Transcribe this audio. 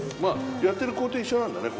やってる工程は一緒なんだね